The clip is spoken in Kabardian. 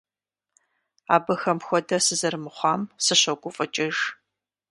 Абыхэм хуэдэ сызэрымыхъуам сыщогуфӀыкӀыж.